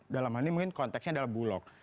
dalam hal ini mungkin konteksnya adalah bulog